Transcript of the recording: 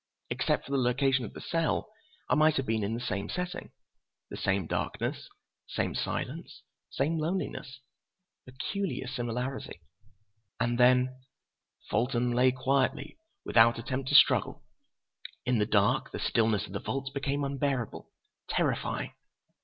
Except for the location of the cell, I might have been in they same setting. The same darkness, same silence, same loneliness. Peculiar similarity! And then: "Fulton lay quietly, without attempt to struggle. In the dark, the stillness of the vaults became unbearable, terrifying.